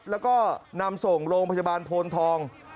แล้วก็นำส่งโรงพยาบาลโพนทอง